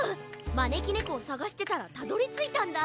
まねきねこをさがしてたらたどりついたんだ。